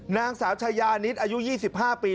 นางสาวชายานิดอายุ๒๕ปี